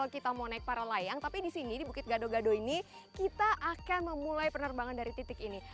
kita mau naik para layang tapi di sini di bukit gado gado ini kita akan memulai penerbangan dari titik ini